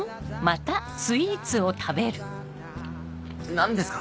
何ですか？